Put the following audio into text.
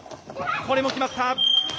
これも決まった。